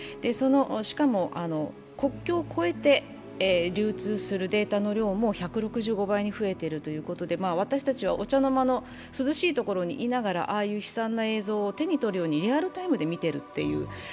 しかも国境を越えて流通するデータの量も増えているということで私たちはお茶の間の涼しい所にいながら、ああいう映像を手にとるようにリアルタイムで見ているという。